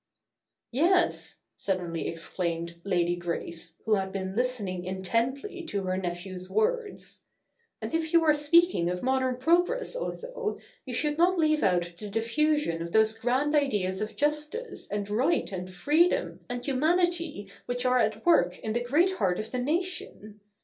* Yes,' suddenly exclaimed Lady Grace, who had been listening intently to her nephew's words ;' and if you are speaking of modern progress, Otho, you should not leave out the diffusion of those grand ideas of justice, and right, and freedom, and humanity which are at work in the great heart of the nation.